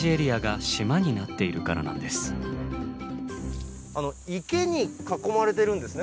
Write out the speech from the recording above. それは池に囲まれてるんですね